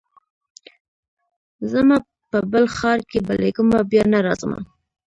ځمه په بل ښار کي بلېږمه بیا نه راځمه